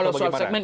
kalau soal segmen